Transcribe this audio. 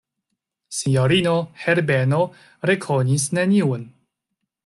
Sinjorino Herbeno rekonis neniun.